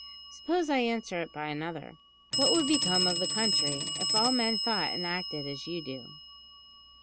Suppose I answer it by another: What would become of the country if all men thought and acted as you do?"